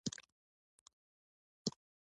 که افغانستان نه وي نو محشر دی او هر څه تباه دي.